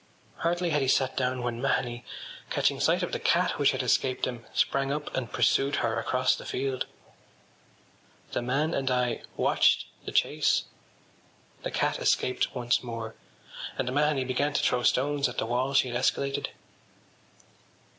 Hardly had he sat down when Mahony, catching sight of the cat which had escaped him, sprang up and pursued her across the field. The man and I watched the chase. The cat escaped once more and Mahony began to throw stones at the wall she had escaladed.